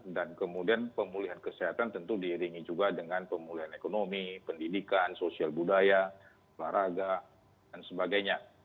dan kemudian pemulihan kesehatan tentu diiringi juga dengan pemulihan ekonomi pendidikan sosial budaya waraga dan sebagainya